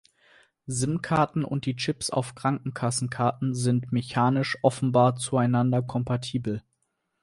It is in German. Sim-Karten und die Chips auf Krankenkassenkarten sind mechanisch offenbar zueinander kompatibel.